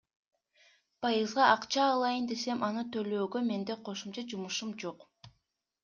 Пайызга акча алайын десем, аны төлөөгө менде кошумча жумушум жок.